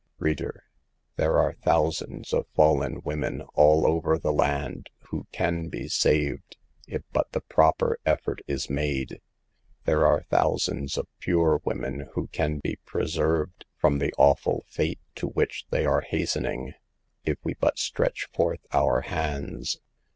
Reader, there are thousands of fallen women all over the land who can be saved, if but the proper effort is made. There are thousands of pure women who can be pre served from the awful fate to which they are hastening, if we but stretch forth our hands.